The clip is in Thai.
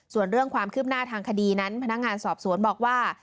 ส่วนเรื่องความคืบหน้าทางคดีนั้นพนักงานสอบสวนบอกว่า